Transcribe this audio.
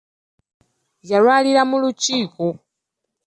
Yalwalira mu lukiiko.